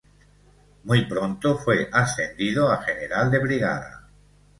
Muy pronto fue ascendido a general de brigada.